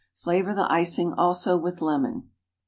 Flavor the icing also with lemon.